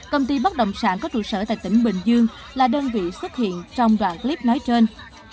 công ty bất động sản có trụ sở tại tỉnh bình dương là đơn vị xuất hiện trong đoạn clip nói trên